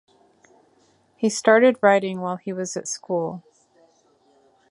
He started writing while he was at school.